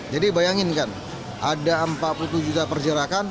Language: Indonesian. jadi bayanginkan ada empat puluh tujuh juta pergerakan